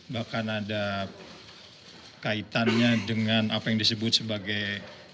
bahkan ada kaitannya dengan apa yang disebut sebagai